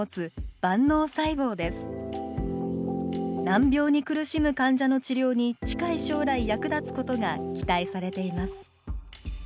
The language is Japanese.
難病に苦しむ患者の治療に近い将来役立つことが期待されています